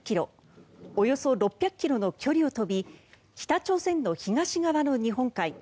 およそ６００ｋｍの距離を飛び北朝鮮の東側の日本海